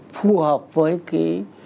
phù hợp với cái